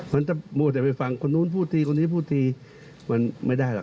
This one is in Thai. มันจะมัวแต่ไปฟังคนนู้นพูดทีคนนี้พูดทีมันไม่ได้หรอก